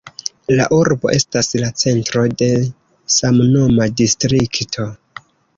La urbo estas la centro de samnoma distrikto.